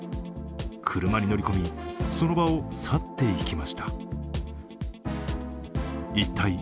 車に乗り込み、その場を去って行きました。